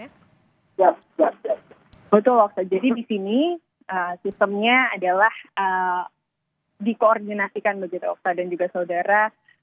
betul oke jadi di sini sistemnya adalah dikoordinasikan begitu oksa dan juga saudara